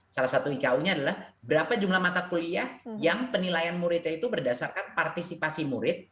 salah satu iko nya adalah berapa jumlah mata kuliah yang penilaian muridnya itu berdasarkan partisipasi murid